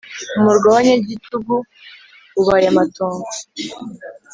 Umurwa w’abanyagitugu ubaye amatongo